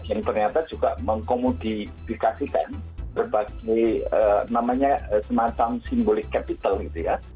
yang ternyata juga mengkomodifikasikan berbagai namanya semacam simbolik capital gitu ya